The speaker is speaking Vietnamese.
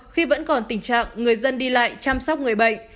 khi vẫn còn tình trạng người dân đi lại chăm sóc người bệnh